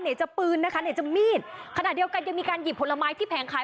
ไหนจะปืนนะคะไหนจะมีดขณะเดียวกันยังมีการหยิบผลไม้ที่แผงขาย